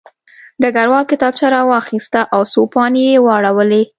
ډګروال کتابچه راواخیسته او څو پاڼې یې واړولې